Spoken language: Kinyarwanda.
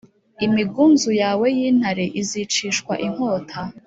imigunzu yawe y’intare izicishwa inkota